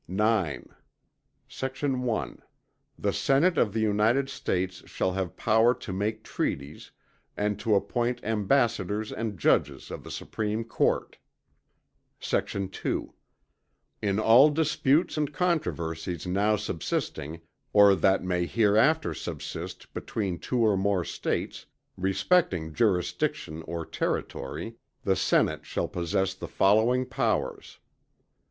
VIIII Sect. 1. The Senate of the United States shall have power to make treaties, and to appoint ambassadors and judges of the supreme court. Sect. 2. In all disputes and controversies now subsisting, or that may hereafter subsist between two or more States, respecting jurisdiction or territory, the Senate shall possess the following powers.